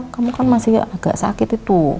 kamu kan masih agak sakit itu